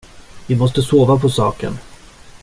Vi måste sova på saken.